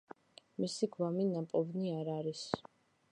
მისი გვამი ნაპოვნი არ არის.